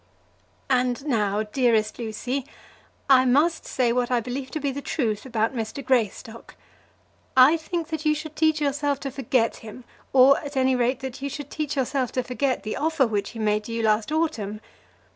And now, dearest Lucy, I must say what I believe to be the truth about Mr. Greystock. I think that you should teach yourself to forget him, or, at any rate, that you should teach yourself to forget the offer which he made to you last autumn.